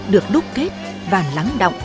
được đúc kết và lắng động